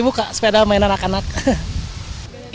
buka sepeda main anak anak